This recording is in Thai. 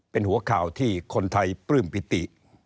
เป็นหัวข่าวที่คนไทยปลื้มปิติ